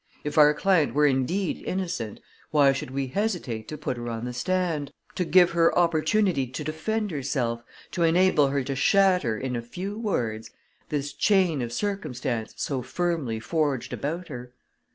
If our client were indeed innocent, why should we hesitate to put her on the stand, to give her opportunity to defend herself, to enable her to shatter, in a few words, this chain of circumstance so firmly forged about her?